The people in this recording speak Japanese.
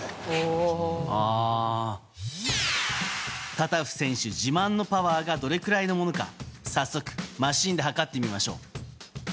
タタフ選手自慢のパワーがどれくらいのものか早速、マシンで測ってみましょう。